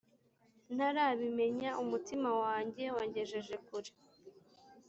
ntarabimenya umutima wanjye wangejeje kure